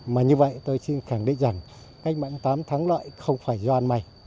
mà như vậy tôi xin khẳng định rằng cách mạng tám thắng lợi không phải do anh mày